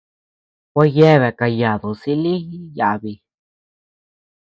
Gua yeabea kayadu silï yabi.